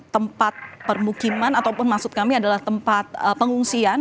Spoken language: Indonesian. tempat permukiman ataupun maksud kami adalah tempat pengungsian